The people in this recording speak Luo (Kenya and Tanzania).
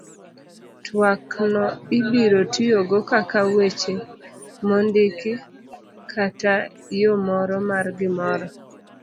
twak no ibiro tiyogo kaka weche mondiki kata yo moro mar gimoro